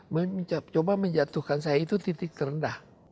mencoba menjatuhkan saya itu titik terendah